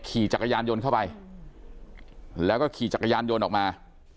ขี่จักรยานยนต์เข้าไปแล้วก็ขี่จักรยานยนต์ออกมา